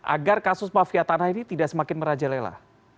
agar kasus mafia tanah ini tidak semakin merajalela